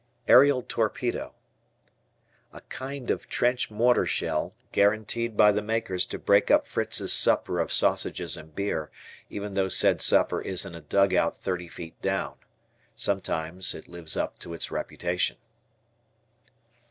Aerial Torpedo. A kind of trench mortar shell, guaranteed by the makers to break up Fritz's supper of sausages and beer, even though said supper is in a dugout thirty feet down. Sometimes it lives up to its reputation.